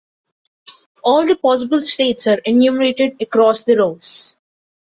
All the possible states are enumerated across the rows.